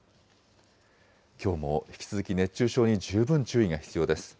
きょうも引き続き熱中症に十分注意が必要です。